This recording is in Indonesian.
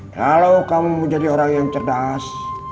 kalau kamu mau jadi orang yang cerdas